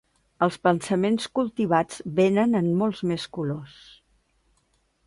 Els pensaments cultivats venen en molts més colors.